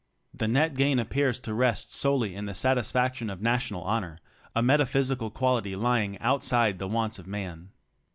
The net gain appears to rest solely in the satisfaction of "national honor" — a metaphysical quality lying outside the wants of man.